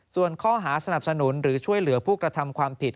ส่วนข้อหาสนับสนุนหรือช่วยเหลือผู้กระทำความผิด